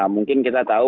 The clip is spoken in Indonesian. mungkin kita tahu